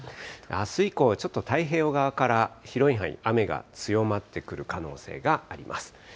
あす以降、ちょっと太平洋側から広い範囲、雨が強まってくる可能性があります。